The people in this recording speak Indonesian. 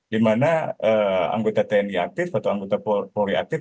di mana anggota tni aktif atau anggota polri aktif